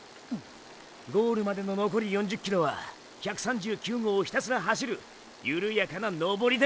ゴールまでの残り４０ｋｍは１３９号をひたすら走るゆるやかな登りだ！